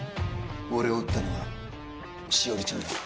俺を撃ったのは詩織ちゃんだ。